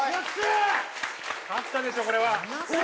勝ったでしょこれは。